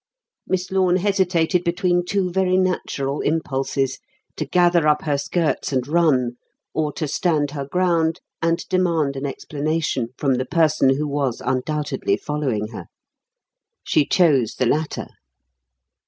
Miss Lorne hesitated between two very natural impulses to gather up her skirts and run, or to stand her ground and demand an explanation from the person who was undoubtedly following her. She chose the latter.